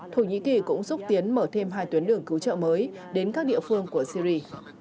thổ nhĩ kỳ cũng xúc tiến mở thêm hai tuyến đường cứu trợ mới đến các địa phương của syri